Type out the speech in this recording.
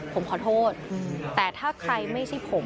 ผมขอโทษแต่ถ้าใครไม่ใช่ผม